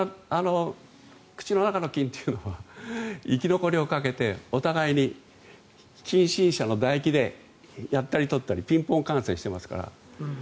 口の中の菌というのは生き残りをかけてお互いに近親者のだ液でやったり取ったりピンポン感染してますから。